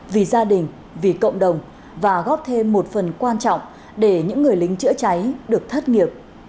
vì gia đình vì cộng đồng và góp thêm một phần quan trọng để những người lính chữa cháy được thất nghiệp